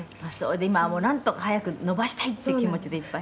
今はなんとか早く伸ばしたいって気持ちでいっぱい？